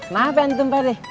maaf ya tumper